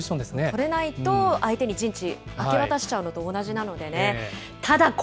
取れないと相手に陣地明け渡しちゃうのと同じことなのでね。